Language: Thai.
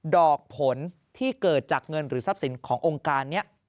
ดอกผลที่เกิดจากเงินหรือทรัพย์สินขององค์การนี้